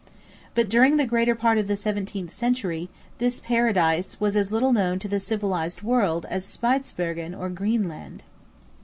But during the greater part of the seventeenth century, this paradise was as little known to the civilised world as Spitzbergen or Greenland.